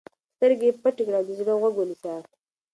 سترګې پټې کړه او د زړه غوږ ونیسه.